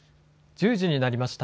１０時になりました。